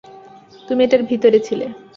তুমি এটার ভিতরে ছিলে।